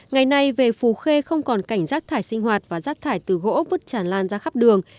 ngày nay về phú khê không còn cảnh rác thải sinh hoạt và rác thải từ gỗ vứt tràn lan ra khắp đường